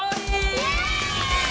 イエーイ！